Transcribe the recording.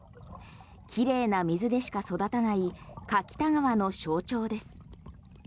綺麗な水でしか育たない柿田川の象徴です。